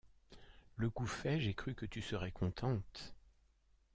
Le coup fait, j’ai cru que tu serais contente...